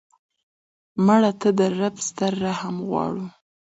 مړه ته د رب ستر رحم غواړو